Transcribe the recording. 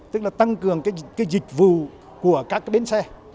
tức là tăng cường cái dịch vụ của các cái bến xe